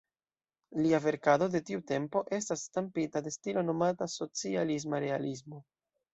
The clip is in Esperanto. Lia verkado de tiu tempo estas stampita de stilo nomata socialisma realismo.